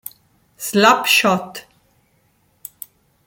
Slap Shot